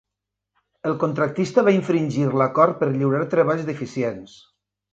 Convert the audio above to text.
El contractista va infringir l"acord per lliurar treballs deficients.